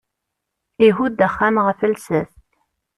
Ihudd axxam ɣef llsas.